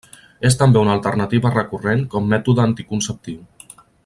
És també una alternativa recurrent com mètode anticonceptiu.